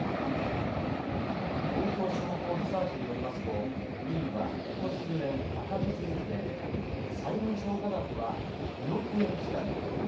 東京商工リサーチによりますと、医院はここ数年、赤字続きで、債務超過額は２億円近くに。